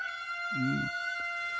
うん。